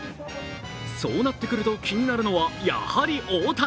そうなってくると気になるのはやはり大谷。